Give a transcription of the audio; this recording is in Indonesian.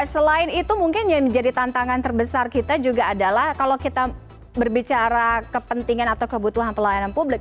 selain itu mungkin yang menjadi tantangan terbesar kita juga adalah kalau kita berbicara kepentingan atau kebutuhan pelayanan publik